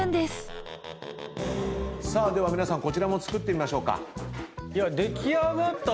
さあでは皆さんこちらも作ってみましょうか。